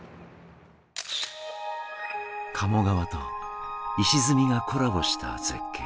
鴨川と石積みがコラボした絶景。